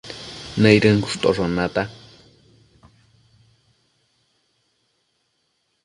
nëidën cushtoshon nata